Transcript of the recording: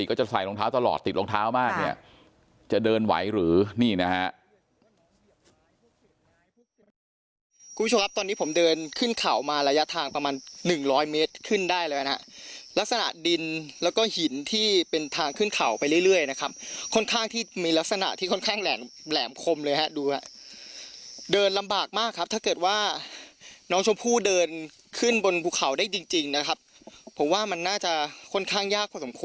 คุณผู้ชมครับตอนนี้ผมเดินขึ้นเขามาระยะทางประมาณหนึ่งร้อยเมตรขึ้นได้เลยนะฮะลักษณะดินแล้วก็หินที่เป็นทางขึ้นเขาไปเรื่อยเรื่อยนะครับค่อนข้างที่มีลักษณะที่ค่อนข้างแหลมแหลมคมเลยฮะดูอ่ะเดินลำบากมากครับถ้าเกิดว่าน้องชมพู่เดินขึ้นบนบุคเขาได้จริงจริงนะครับผมว่ามันน่าจะค่อนข้างยากพอสมค